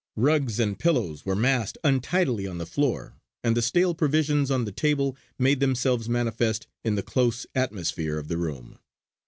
Rugs and pillows were massed untidily on the floor, and the stale provisions on the table made themselves manifest in the close atmosphere of the room.